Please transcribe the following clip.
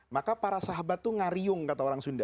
maka para sahabat itu ngariung kata orang sunda